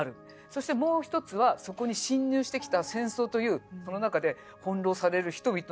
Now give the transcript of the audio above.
そしてもう一つはそこに侵入してきた戦争というその中で翻弄される人々の観察記録。